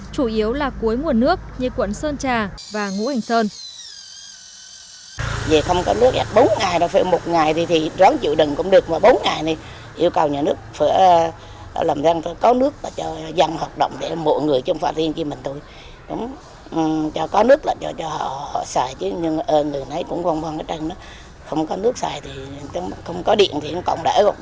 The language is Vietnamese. chủ yếu là cuối nguồn nước như quận sơn trà và ngũ hình sơn